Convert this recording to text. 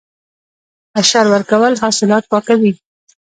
عشر ورکول حاصلات پاکوي.